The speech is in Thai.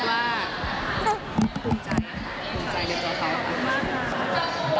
คิดว่าภูมิใจภูมิใจเรื่องตัวเขาค่ะ